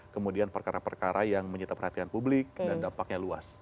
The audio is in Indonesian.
kemudian perkara perkara yang menyita perhatian publik dan dampaknya luas